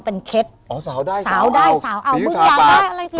โปรดติดตามต่อไป